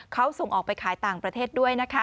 เขาส่งออกไปขายต่างประเทศด้วยนะคะ